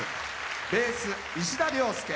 ベース、石田良典。